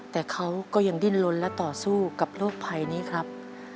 แต่เขาก็ยังดิ้นลนและต่อสู้กับโรคภัยนี้ครับ